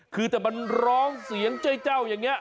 คือแต่มันร้องเสียงเจ้าอย่างนี้